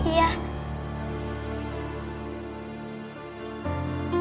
tapi ada yang nanti